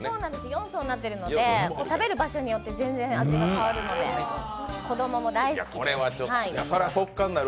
４層になってるので、食べる場所によって全然味が違うので、子供も大好きです。